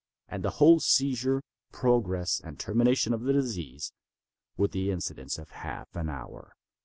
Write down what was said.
And the whole seizure, progress and termination of the disease, were the incidents of half an hour.